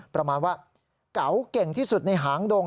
ประมาณว่าเก๋าเก่งที่สุดในหางดง